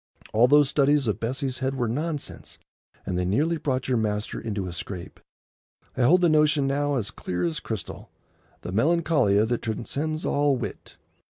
All those studies of Bessie's head were nonsense, and they nearly brought your master into a scrape. I hold the notion now as clear as crystal,—"the Melancolia that transcends all wit."